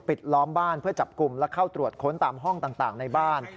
ล้อมบ้านเพื่อจับกลุ่มและเข้าตรวจค้นตามห้องต่างในบ้าน